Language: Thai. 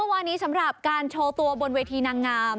วานี้สำหรับการโชว์ตัวบนเวทีนางงาม